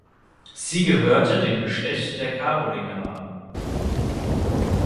Sie gehörte dem Geschlecht der Karolinger an.